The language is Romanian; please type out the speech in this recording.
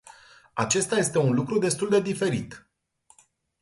Acesta este un lucru destul de diferit.